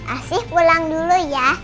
asih pulang dulu ya